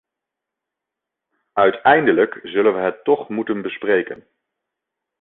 Uiteindelijk zullen we het toch moeten bespreken.